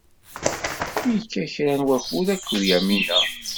Yekka kra n wakud akked Yamina.